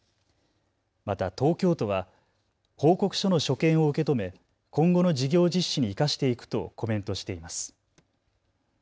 また東京都は報告書の所見を受け止め今後の事業実施に生かしていくとコメントしています。